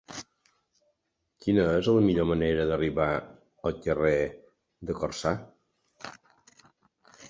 Quina és la millor manera d'arribar al carrer de Corçà?